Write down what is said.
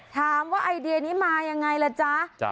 ถามว่าไอเดียนี้มายังไงล่ะจ๊ะ